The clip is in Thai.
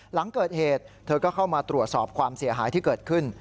หลังเกิดเหตุเธอก็เข้ามาตรวจสอบความเสียหายที่เกิดขึ้น